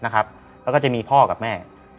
แล้วก็จะมีพ่อกับแม่